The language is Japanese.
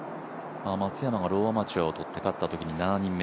松山がローアマチュアをとって勝ったときに７人目。